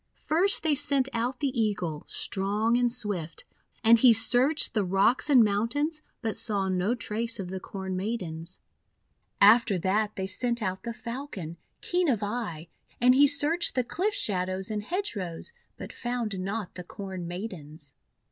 53 First they sent out the Eagle, strong and swift; and he searched the rocks and mountains, but saw no trace of the Corn Maidens. 380 THE WONDER GARDEN After that they sent out the Falcon, keen of eye; and he searched the cliff shadows and hedge rows, but found not the Corn Maidens.